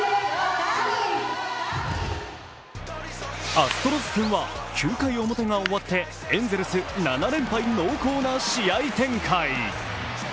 アストロズ戦は９回表が終わってエンゼルス、７連敗濃厚な試合展開。